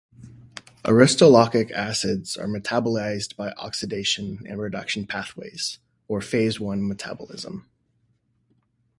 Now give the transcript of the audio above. Aristolochic acids are metabolized by oxidation and reduction pathways, or phase one metabolism.